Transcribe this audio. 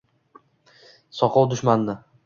Soqov «dushman»ni